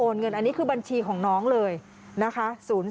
เงินอันนี้คือบัญชีของน้องเลยนะคะ